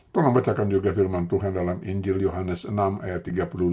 telah membacakan juga firman tuhan dalam injil yohanes enam ayat tiga puluh lima